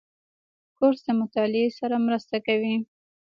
کورس د مطالعې سره مرسته کوي.